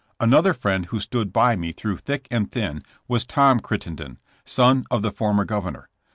Another friand who st©od by Bie through thitk and tkim was Tom Crittenden, son oi the former governor.